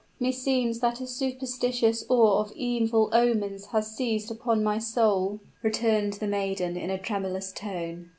"Meseems that a superstitious awe of evil omens has seized upon my soul," returned the maiden, in a tremulous tone.